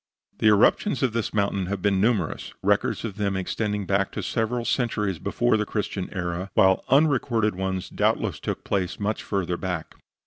The eruptions of this mountain have been numerous, records of them extending back to several centuries before the Christian era, while unrecorded ones doubtless took place much further back.